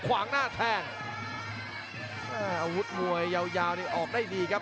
ขวางหน้าแทงอาวุธมวยยาวยาวนี่ออกได้ดีครับ